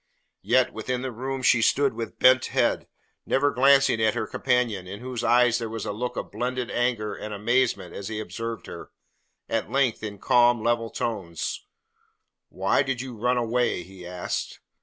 Yet within the room she stood with bent head, never glancing at her companion, in whose eyes there was a look of blended anger and amazement as he observed her. At length in calm, level tones: "Why did you run away?" he asked.